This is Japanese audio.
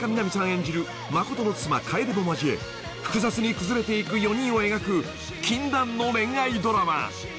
演じる誠の妻楓も交え複雑に崩れていく４人を描く禁断の恋愛ドラマ］